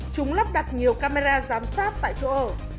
chúng lắp đặt nhiều camera giám sát tại chỗ ở